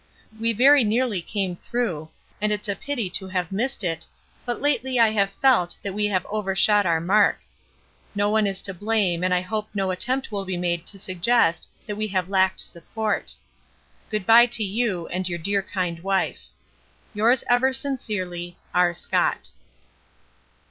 We very nearly came through, and it's a pity to have missed it, but lately I have felt that we have overshot our mark. No one is to blame and I hope no attempt will be made to suggest that we have lacked support. Good bye to you and your dear kind wife. Yours ever sincerely, R. SCOTT.